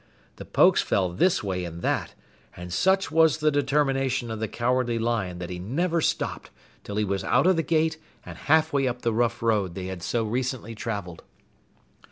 The Pokes fell this way and that, and such was the determination of the Cowardly Lion that he never stopped till he was out of the gate and halfway up the rough road they had so recently traveled.